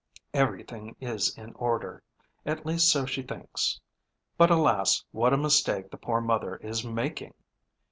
Everything is in order, at least so she thinks; but, alas, what a mistake the poor mother is making!